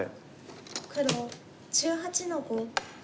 黒１８の五。